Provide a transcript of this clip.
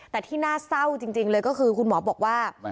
แต่ที่น่าเศร้าจริงเลยก็คือคุณหมอบอกว่า